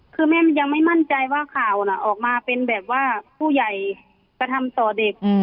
คือแม่ยังไม่มั่นใจว่าข่าวน่ะออกมาเป็นแบบว่าผู้ใหญ่กระทำต่อเด็ก